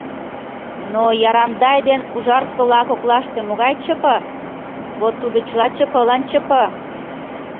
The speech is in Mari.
Но Ярандай ден Ужарсола коклаште могай ЧП — вот тудо чыла ЧП-лан ЧП!